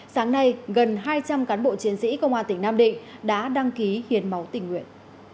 sáng nay gần hai trăm linh cán bộ chiến sĩ công an tỉnh nam định đã đăng ký hiến máu tình nguyện